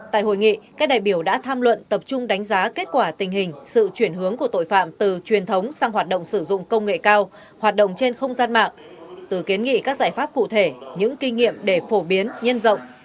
tại hội nghị các đại biểu đã tham luận tập trung đánh giá kết quả tình hình sự chuyển hướng của tội phạm từ truyền thống sang hoạt động sử dụng công nghệ cao hoạt động trên không gian mạng từ kiến nghị các giải pháp cụ thể những kinh nghiệm để phổ biến nhân rộng